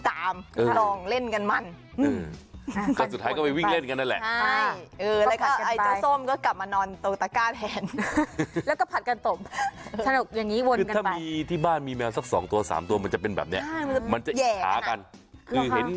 ถ้ามันที่บ้านมีไหม้สักสองตัวสามตัวมันจะเป็นแบบนี้